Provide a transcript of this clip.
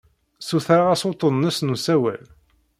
Ssutreɣ-as uḍḍun-nnes n usawal.